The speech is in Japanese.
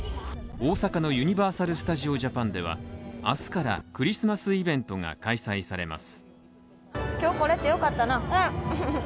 大阪のユニバーサル・スタジオ・ジャパンでは、明日からクリスマスイベントが開催されます。